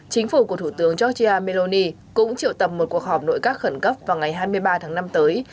chính phủ của thủ tướng georgia meloni cũng triệu tập một cuộc họp nội các khẩn cấp vào ngày hai mươi ba tháng năm tới